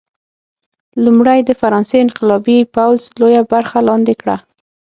لومړی د فرانسې انقلابي پوځ لویه برخه لاندې کړه.